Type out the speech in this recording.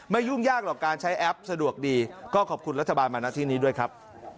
ยุ่งยากหรอกการใช้แอปสะดวกดีก็ขอบคุณรัฐบาลมาหน้าที่นี้ด้วยครับ